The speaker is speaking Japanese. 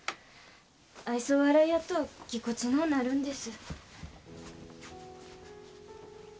愛想笑いやとぎこちのうなるんです